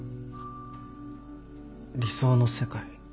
理想の世界？